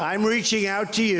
saya mencari kepada kalian